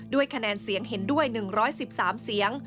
ด้วยคะแนนเสียงเห็นด้วย๑๑๓เสียง